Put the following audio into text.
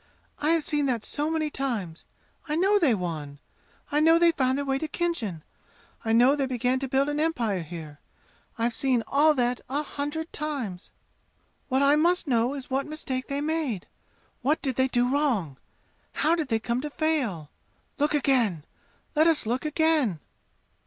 "I have seen that so many times. I know they won. I know they found their way to Khinjan. I know they began to build an empire here. I have seen all that a hundred times. What I must know is what mistake they made. What did they do wrong? How did they come to fail? Look again! Let us look again!"